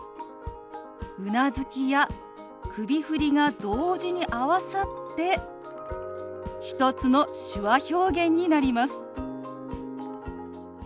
うなずきや首振りが同時に合わさって１つの手話表現になります。